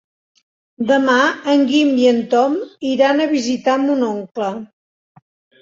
Demà en Guim i en Tom iran a visitar mon oncle.